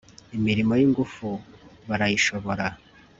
imirimo y'ingufu barayishobora